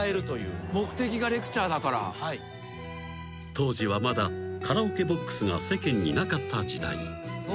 ［当時はまだカラオケボックスが世間になかった時代］